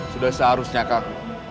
sudah seharusnya kak